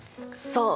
そう。